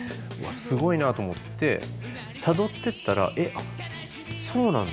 すごいなと思ってたどってったらえそうなんだ。